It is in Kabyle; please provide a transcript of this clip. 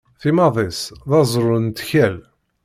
Timad-is d aẓṛu n lettkal.